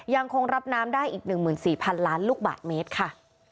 ยังคงรับน้ำได้อีก๑๔๐๐๐ล้านลูกบาทเมตรค่ะ